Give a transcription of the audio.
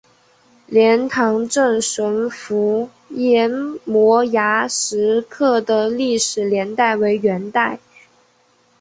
莲塘镇神符岩摩崖石刻的历史年代为元代。